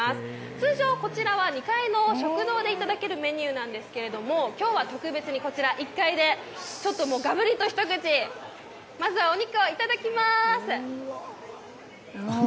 通常こちらは２階の食堂でいただけるメニューなんですけれども今日は特別にこちら、１階でがぶりと一口、まずはお肉をいただきます。